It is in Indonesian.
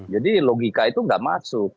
jadi logika itu nggak masuk